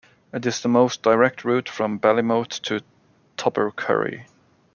It is the most direct route from Ballymote to Tobercurry.